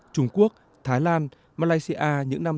trung quốc thái lan malaysia những năm tám mươi